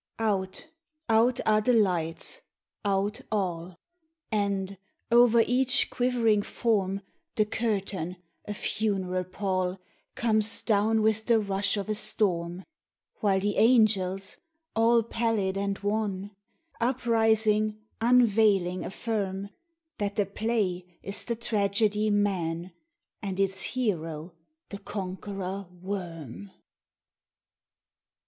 Out—out are the lights—out all! And, over each quivering form, The curtain, a funeral pall, Comes down with the rush of a storm, While the angels, all pallid and wan, Uprising, unveiling, affirmThat the play is the tragedy, 'Man,'And its hero the Conqueror Worm.